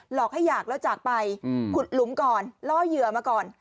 อกให้อยากแล้วจากไปขุดหลุมก่อนล่อเหยื่อมาก่อน